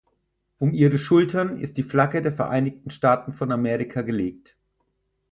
Um ihre Schultern ist die Flagge der Vereinigten Staaten von Amerika gelegt.